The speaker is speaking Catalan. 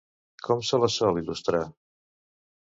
Com se la sol il·lustrar?